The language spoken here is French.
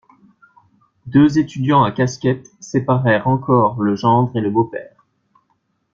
Deux étudiants à casquettes séparèrent encore le gendre et le beau-père.